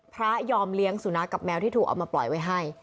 ยอมเลี้ยงสุนัขกับแมวที่ถูกเอามาปล่อยไว้ให้